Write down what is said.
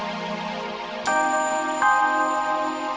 sampai jumpa di video selanjutnya